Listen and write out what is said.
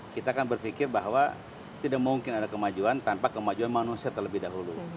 kita akan berpikir bahwa tidak mungkin ada kemajuan tanpa kemajuan manusia terlebih dahulu